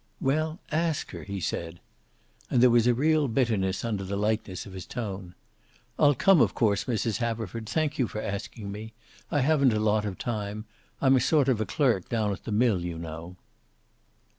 "Well, ask her," he said. And there was a real bitterness under the lightness of his tone. "I'll come, of course, Mrs. Haverford. Thank you for asking me. I haven't a lot of time. I'm a sort of clerk down at the mill, you know."